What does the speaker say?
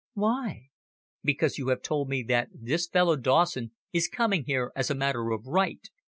"Why?" "Because you have told me that this fellow Dawson is coming here as a matter of right.